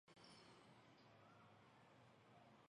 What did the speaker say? هميشا ٻجي لاءِ سٺو سوچ.